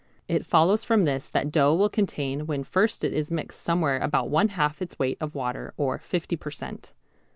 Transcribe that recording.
It follows from this that dough will contain when first it is mixed somewhere about one half its weight of water or 50 per cent.